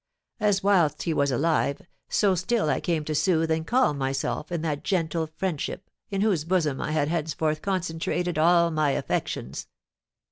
As whilst he was alive, so still I came to soothe and calm myself in that gentle friendship in whose bosom I had henceforth concentrated all my affections.